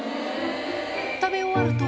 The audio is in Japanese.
食べ終わると。